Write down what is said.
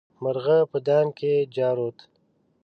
مرغه په دام کې جارووت.